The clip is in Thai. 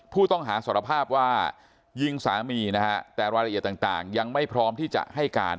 ผู้ถ้าต้องหาสรภาพว่ายิงสามีแต่รายละเอียดต่างยังไม่พร้อมช่วยกัน